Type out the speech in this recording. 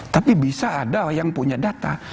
tapi bisa ada yang punya data